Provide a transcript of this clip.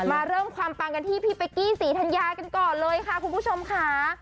มาเริ่มความปังกันที่พี่เป๊กกี้ศรีธัญญากันก่อนเลยค่ะคุณผู้ชมค่ะ